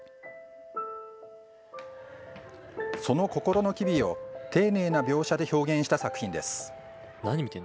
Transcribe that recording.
その心の機微を丁寧な描写で表現した作品です。